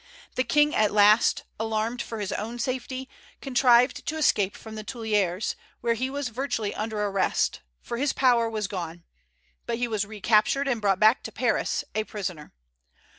The King, at last, alarmed for his own safety, contrived to escape from the Tuileries, where he was virtually under arrest, for his power was gone; but he was recaptured, and brought back to Paris, a prisoner.